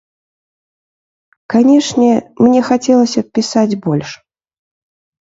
Канешне, мне хацелася б пісаць больш.